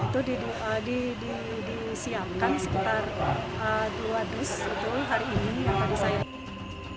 itu disiapkan sekitar dua ratus hari ini